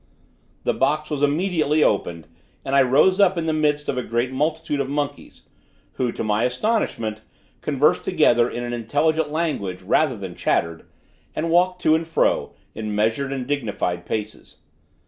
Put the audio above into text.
The box was immediately opened, and I rose up in the midst of a great multitude of monkeys, who, to my astonishment, conversed together in an intelligent language rather than chattered, and walked to and fro, in measured and dignified paces.